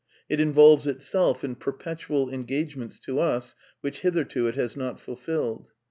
It involves itself in per petual engagements to us which hitherto it has not ful filled.